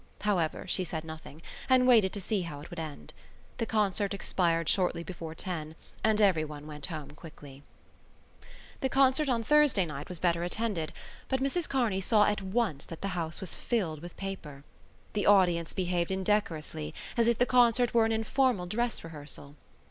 However, she said nothing and waited to see how it would end. The concert expired shortly before ten, and everyone went home quickly. The concert on Thursday night was better attended, but Mrs Kearney saw at once that the house was filled with paper. The audience behaved indecorously, as if the concert were an informal dress rehearsal.